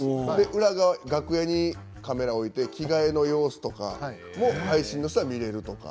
裏の楽屋にカメラを置いて着替えの様子とかを配信に入れるとか。